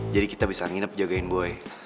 jadi kita bisa nginep jagain boy